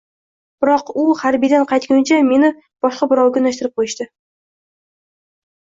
Biroq u harbiydan qaytgunicha meni boshqa birovga unashtirib qo'yishdi